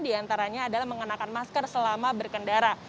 diantaranya adalah mengenakan masker selama berkendara